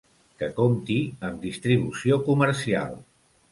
Que compti amb distribució comercial.